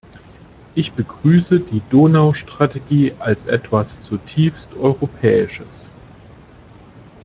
Ich begrüße die Donaustrategie als etwas zutiefst Europäisches.